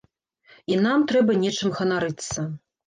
І нам трэба нечым ганарыцца.